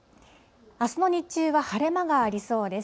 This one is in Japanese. あすの日中は晴れ間がありそうです。